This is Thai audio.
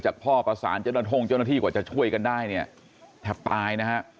พ่อประสานเจ้าหน้าที่กว่าจะช่วยกันได้เนี่ยแทบตายนะฮะ